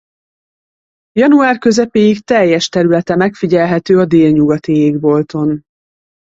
Január közepéig teljes területe megfigyelhető a délnyugati égbolton.